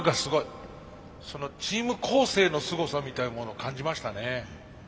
チーム構成のすごさみたいなものを感じましたね。